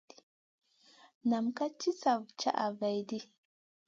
Nam ka sli caha vahl.